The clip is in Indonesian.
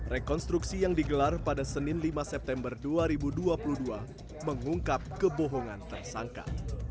rekonstruksi yang digelar pada senin lima september dua ribu dua puluh dua mengungkap kebohongan tersangka